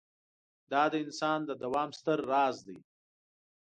دا د انسان د دوام ستر راز دی.